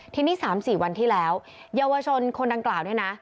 ทีนี้๓๔วันที่แล้วเยาวชนคนดังกล่าวเนี่ยนะ